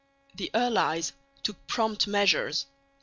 The allies took prompt measures.